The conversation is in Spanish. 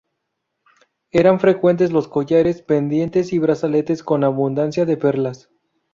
Eran frecuentes los collares, pendientes y brazaletes con abundancia de perlas.